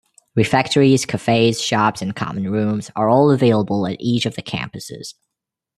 Refectories, cafes, shops and common rooms are all available at each of the campuses.